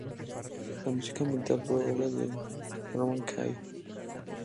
La música ambiental fue obra de Norman Kay.